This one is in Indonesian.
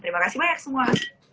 terima kasih banyak semua